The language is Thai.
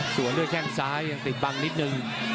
ส่วนด้วยแข้งซ้ายยังติดบังนิดนึง